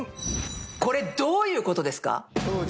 これ、どういうことですか？